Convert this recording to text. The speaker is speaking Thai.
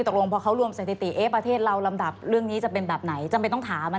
ตกลงพอเขารวมสถิติอาทธิ์เองเราลำดับคิดว่าเรื่องทั้งแบบไหนซึ่งจำเป็นต้องถาม